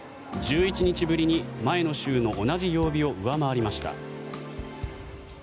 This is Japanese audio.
１１日ぶりに前の週の同じ曜日を上回りました。